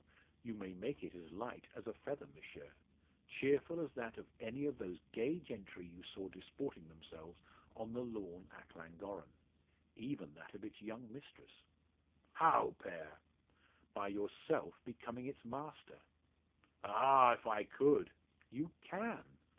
"You may make it as light as a feather, M'sieu; cheerful as that of any of those gay gentry you saw disporting themselves on the lawn at Llangorren even that of its young mistress." "How, Pere?" "By yourself becoming its master." "Ah! if I could." "You can!"